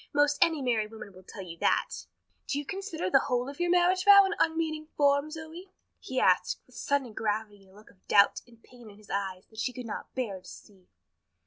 Most any married woman will tell you that." "Do you consider the whole of your marriage vow an unmeaning form, Zoe?" he asked, with sudden gravity and a look of doubt and pain in his eyes that she could not bear to see.